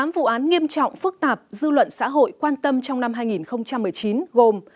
tám vụ án nghiêm trọng phức tạp dư luận xã hội quan tâm trong năm hai nghìn một mươi chín gồm